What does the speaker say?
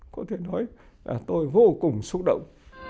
có thể nói là tôi vô cùng xúc động